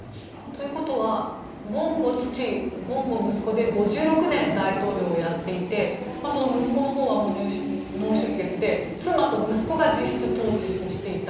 ということはボンゴ父、ボンゴ息子で５６年、大統領をやっていてその息子のほうは脳出血で妻と息子が実質、統治をしていた。